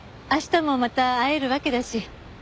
明日もまた会えるわけだし。